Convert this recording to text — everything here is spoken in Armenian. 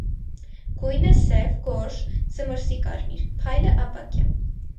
Գույնը՝ սև, գորշ, զմռսի կարմիր, փայլը՝ ապակյա։